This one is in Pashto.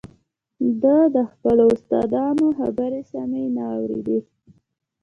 ده د خپلو استادانو خبرې سمې نه اورېدې